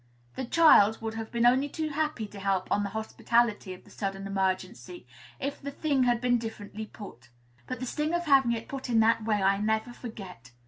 "The child" would have been only too happy to help on the hospitality of the sudden emergency, if the thing had been differently put; but the sting of having it put in that way I never forgot.